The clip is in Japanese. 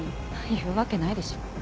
言うわけないでしょ。